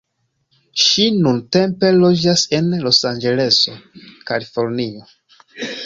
Ŝi nuntempe loĝas en Los-Anĝeleso, Kalifornio.